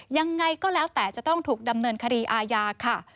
ยังไงก็แล้วแต่จะต้องถูกดำเนินคดีอาญาค่ะ